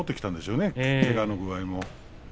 けがの具合も。